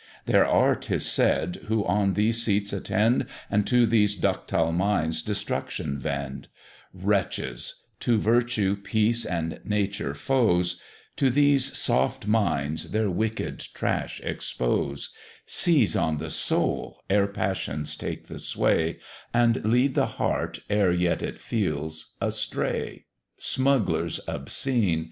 There are, 'tis said, who on these seats attend, And to these ductile minds destruction vend; Wretches (to virtue, peace, and nature, foes) To these soft minds, their wicked trash expose; Seize on the soul, ere passions take the sway, And lead the heart, ere yet it feels, astray: Smugglers obscene!